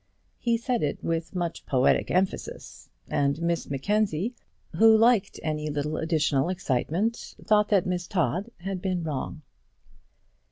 He said it with much poetic emphasis, and Miss Mackenzie, who liked any little additional excitement, thought that Miss Todd had been wrong.